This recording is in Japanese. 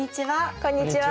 こんにちは。